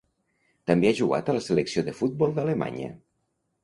També ha jugat a la selecció de futbol d'Alemanya.